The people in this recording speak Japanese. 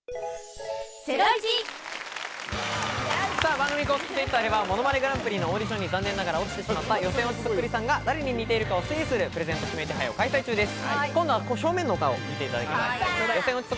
番組公式Ｔｗｉｔｔｅｒでは『ものまねグランプリ』のオーディションに残念ながら落ちてしまった予選落ちそっくりさんが、誰に似てるかを推理する指名手配ゲームを開催中です。